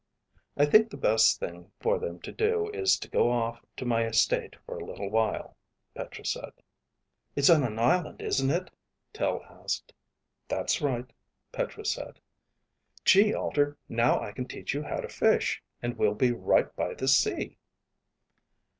"I think the best thing for them to do is to go off to my estate for a little while," Petra said. "It's on an island, isn't it?" Tel asked. "That's right," Petra said. "Gee, Alter. Now I can teach you how to fish, and we'll be right by the sea."